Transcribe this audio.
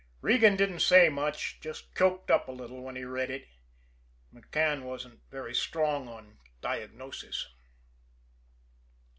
Regan didn't say much just choked up a little when he read it. McCann wasn't strong on diagnosis.